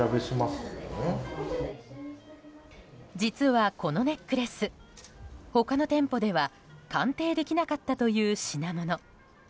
実はこのネックレス他の店舗では鑑定できなかったという品物。